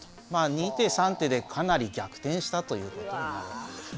２手３手でかなり逆転したということになるわけですね。